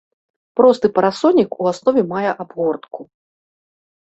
Просты парасонік у аснове мае абгортку.